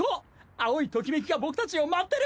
青いトキメキが僕たちを待ってる！